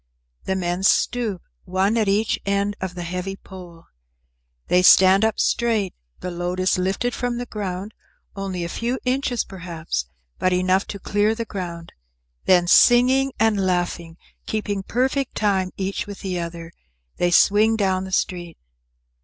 The men stoop, one at each end of the heavy pole. They stand up straight, the load is lifted from the ground, only a few inches perhaps, but enough to clear the ground, then, singing and laughing, keeping perfect time each with the other, they swing down the street.